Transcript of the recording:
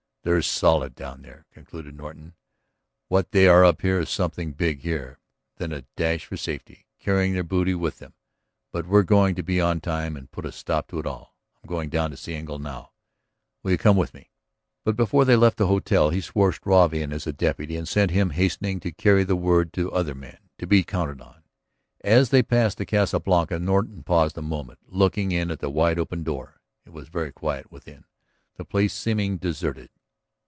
"They're solid down there," concluded Norton. "What they are up to is something big here, then a dash for safety, carrying their booty with them. But we're going to be on time to put a stop to it all. I am going down to see Engle now; will you come with me?" But before they left the hotel he swore Struve in as a deputy and sent him hastening to carry the word to other men to be counted on. As they passed the Casa Blanca Norton paused a moment, looking in at the wide open door; it was very quiet within, the place seeming deserted.